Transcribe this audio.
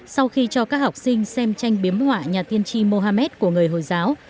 sau khi cho các học sinh xem tranh biếm họa nhà tiên tri mohammed của người hồi giáo